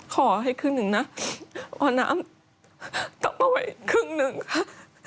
ขอให้ครึ่งหนึ่งนะออน้ำต้องเอาไว้ครึ่งหนึ่งค่ะ